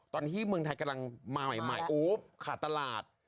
ตอนที่เมืองไทยกำลังมาใหม่อู๊บขาดตลาด